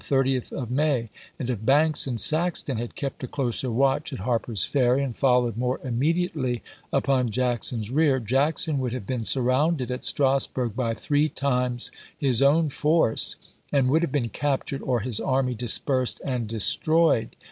the 30th of May, and if Banks and Saxton had kept a closer watch at Harper's Ferry and followed more immediately upon Jackson's rear, Jackson would have been smTounded at Strasburg by three times his own force, and would have been captured or his army dispersed and destroyed.